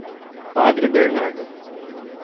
Padre Bernardo